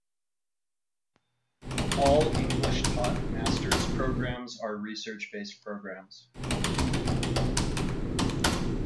All English-taught Master's programmes are research-based programmes.